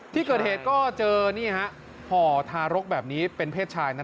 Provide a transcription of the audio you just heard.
ที่เกิดเหตุก็เจอห่อทารกแบบนี้เป็นเพศชาย